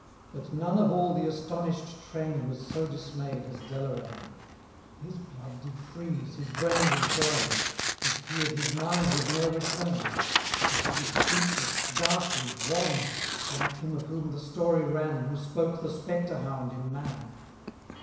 But none of all the astonished train Was so dismayed as Deloraine ; His blood did freeze, his brain did bum, *Twas fearM his mind would ne*er return ; For he was speechless, ghastly, wan. Like him of whom the story ran. Who spoke the spectre hound in Man.